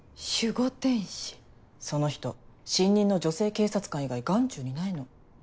その人新任の女性警察官以外眼中にないの。